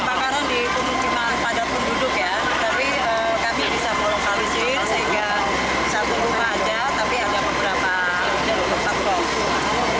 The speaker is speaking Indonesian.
tapi kami bisa melokalisir sehingga bisa berumah aja tapi ada beberapa tempat kok